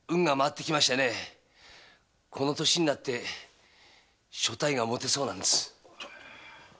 この歳になって所帯が持てそうなんです。